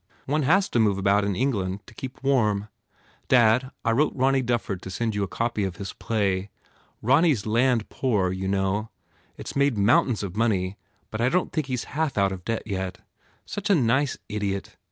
"One has to move about in England to keep warm. Dad, I wrote Ronny Dufford to send you a copy of his play. Ronny s land poor, you know? It s made mountains of money but I don t think he s half out of debt, yet. Such a nice idiot.